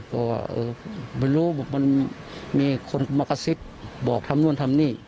เพราะว่าไม่รู้มันมีคนมกษิตบอกทำนู่นทำนี่